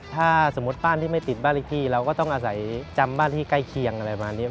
ถ้าสมมุติบ้านที่ไม่ติดบ้านเล็กที่เราก็ต้องอาศัยจำบ้านที่ใกล้เคียงอะไรประมาณนี้